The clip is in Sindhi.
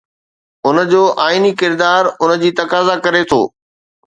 ان جو آئيني ڪردار ان جي تقاضا ڪري ٿو.